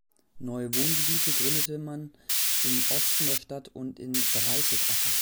Neue Wohngebiete gründete man im Osten der Stadt und in Dreißigacker.